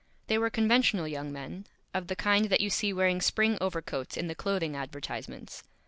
They were Conventional Young Men, of the Kind that you see wearing Spring Overcoats in the Clothing Advertisements.